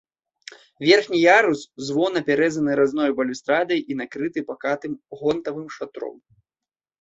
Верхні ярус-звон апяразаны разной балюстрадай і накрыты пакатым гонтавым шатром.